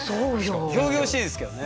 仰々しいですけどね。